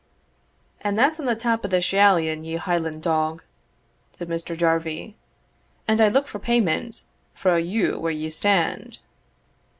"And that's on the tap of Schehallion, ye Hieland dog," said Mr. Jarvie; "and I look for payment frae you where ye stand."